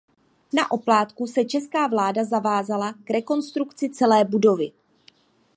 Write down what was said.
Na oplátku se česká vláda zavázala k rekonstrukci celé budovy.